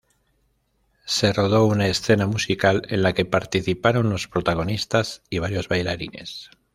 Se rodó una escena musical en la que participaron los protagonistas y varios bailarines.